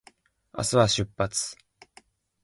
明日は先発